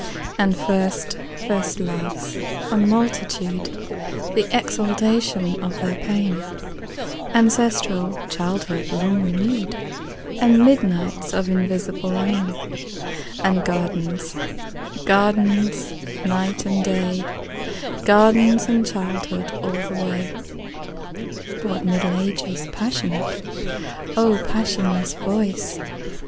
And first first loves, a multitude, The exaltation of their pain; Ancestral childhood long renewed; And midnights of invisible rain; And gardens, gardens, night and day, Gardens and childhood all the way. What Middle Ages passionate,O passionless voice!